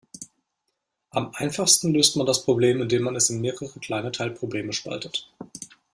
Am einfachsten löst man das Problem, indem man es in mehrere kleine Teilprobleme spaltet.